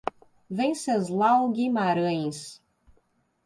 Wenceslau Guimarães